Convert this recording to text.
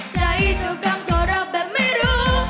ใจตัวกลางก็รับแบบไม่รู้